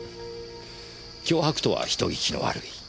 脅迫とは人聞きの悪い。